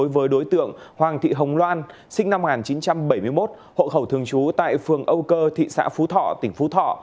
với đối tượng hoàng thị hồng loan sinh năm một nghìn chín trăm bảy mươi một hộ khẩu thường trú tại phường âu cơ thị xã phú thọ tỉnh phú thọ